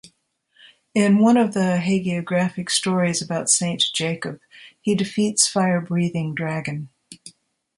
In one of the hagiographic stories about Saint Jacob he defeats fire-breathing dragon.